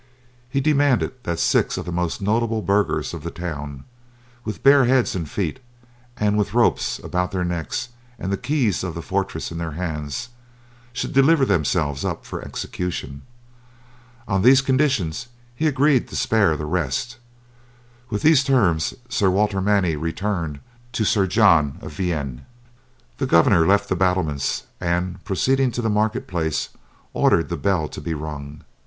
He demanded that six of the most notable burghers of the town, with bare heads and feet, and with ropes about their necks and the keys of the fortress in their hands, should deliver themselves up for execution. On these conditions he agreed to spare the rest. With these terms Sir Walter Manny returned to Sir John of Vienne. The governor left the battlements, and proceeding to the market place ordered the bell to be rung.